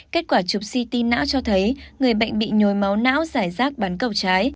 kết quả chụp ct não cho thấy người bệnh bị nhồi máu não giải rác bán cầu trái